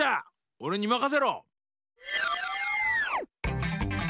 おれにまかせろ！